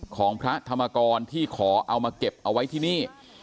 ของพระธรรมกรที่ขอเอามาเก็บเอาไว้ที่นี่